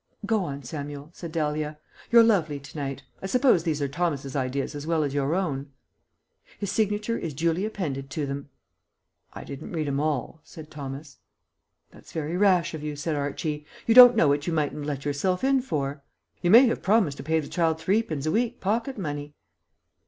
"Go on, Samuel," said Dahlia. "You're lovely to night. I suppose these are Thomas's ideas as well as your own?" "His signature is duly appended to them." "I didn't read 'em all," said Thomas. "That's very rash of you," said Archie. "You don't know what you mightn't let yourself in for. You may have promised to pay the child threepence a week pocket money."